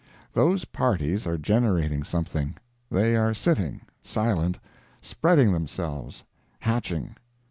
Those parties are generating something—they are sitting—silent—spreading themselves—hatching.